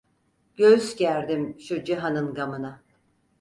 Göğüs gerdim şu cihanın gamına.